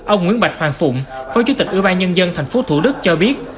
ông nguyễn bạch hoàng phụng phó chủ tịch ủy ban nhân dân tp thủ đức cho biết